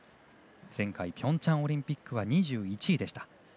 前回ピョンチャンオリンピックは２１位でした。